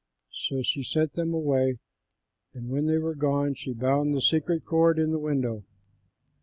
So she sent them away. And when they were gone, she bound the scarlet cord in the window.